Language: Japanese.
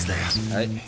はい。